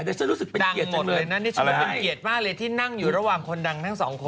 ดังหมดเลยนะนี่ฉันก็เป็นเกียรติมากเลยที่นั่งอยู่ระหว่างคนดังทั้งสองคน